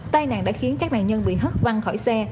tai nạn đã khiến các nạn nhân bị hất văng khỏi xe